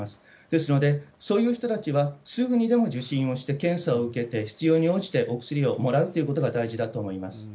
ですので、そういう人たちはすぐにでも受診をして、検査を受けて、必要に応じてお薬をもらうということが大事だと思います。